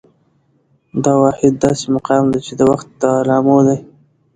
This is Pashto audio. دا واحد داسې مقام دى، چې د وخت د علامو دى